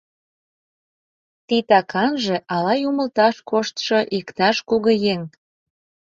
Титаканже ала юмылташ коштшо иктаж кугыеҥ?